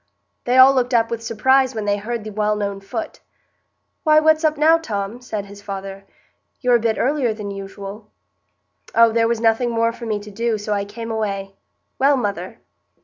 They all looked up with surprise when they heard the well known foot. "Why, what's up now, Tom?" said his father. "You're a bit earlier than usual." "Oh, there was nothing more for me to do, so I came away. Well, mother!"